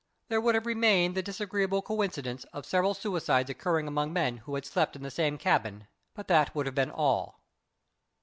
There would have remained the disagreeable coincidence of several suicides occurring among men who had slept in the same cabin, but that would have been all.